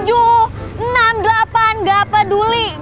gue tetep mau setidaknya